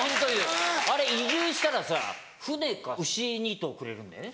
あれ移住したらさ船か牛２頭くれるんだよね？